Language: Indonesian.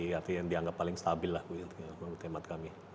masih yang dianggap paling stabil lah bu itu tempat kami